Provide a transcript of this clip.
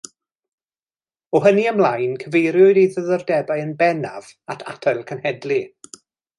O hynny ymlaen, cyfeiriwyd ei diddordebau yn bennaf at atal cenhedlu.